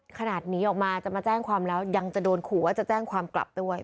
หนีออกมาจะมาแจ้งความแล้วยังจะโดนขู่ว่าจะแจ้งความกลับด้วย